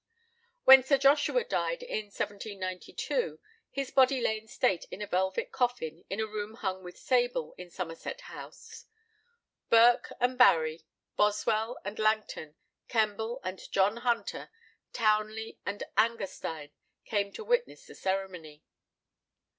When Sir Joshua died, in 1792, his body lay in state in a velvet coffin, in a room hung with sable, in Somerset House. Burke and Barry, Boswell and Langton, Kemble and John Hunter, Towneley and Angerstein came to witness the ceremony.